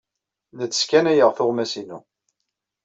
La d-sskanayeɣ tuɣmas-inu.